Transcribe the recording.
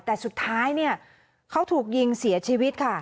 แต่สุดท้ายเขาถูกยิงเสี่ยชีวิต